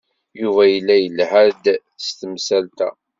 Yuba yella yelha-d s temsalt-a.